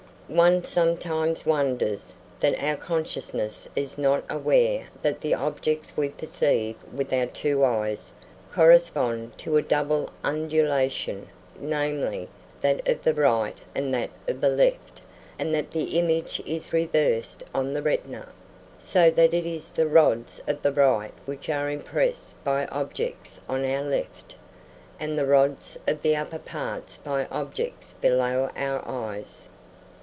One sometimes wonders that our consciousness is not aware that the objects we perceive with our two eyes correspond to a double undulation, namely, that of the right and that of the left, and that the image is reversed on the retina, so that it is the rods of the right which are impressed by objects on our left, and the rods of the upper part by objects below our eyes.